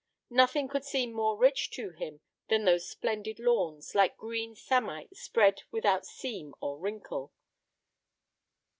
Nothing could seem more rich to him than those splendid lawns, like green samite spread without seam or wrinkle.